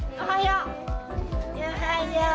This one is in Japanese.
おはよう。